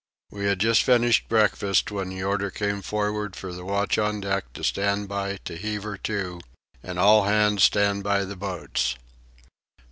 We had just finished breakfast when the order came forward for the watch on deck to stand by to heave her to and all hands stand by the boats.